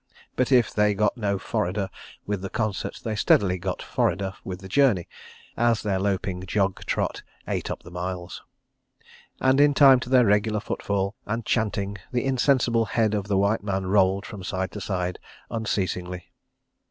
But if they got no forrader with the concert they steadily got forrader with the journey, as their loping jog trot ate up the miles. And, in time to their regular foot fall and chanting, the insensible head of the white man rolled from side to side unceasingly.